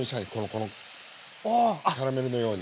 このキャラメルのように。